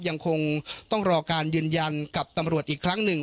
ยังคงต้องรอการยืนยันกับตำรวจอีกครั้งหนึ่ง